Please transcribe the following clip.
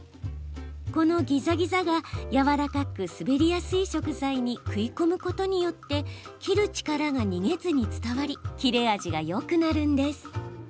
このギザギザがやわらかく滑りやすい食材に食い込むことによって切る力が逃げずに伝わり切れ味がよくなるんです。